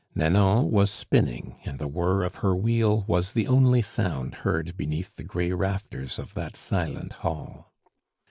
Nanon was spinning, and the whirr of her wheel was the only sound heard beneath the gray rafters of that silent hall.